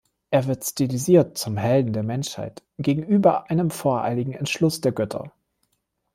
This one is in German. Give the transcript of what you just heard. Er wird stilisiert zum Helden der Menschheit gegenüber einem voreiligen Entschluss der Götter.